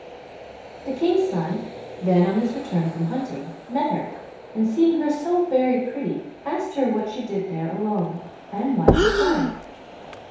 The King's son, then on his return from hunting, met her, and seeing her so very pretty, asked her what she did there alone, and why she cried.